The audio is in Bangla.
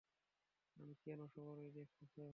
আমি কেন, সবাই দেখছে।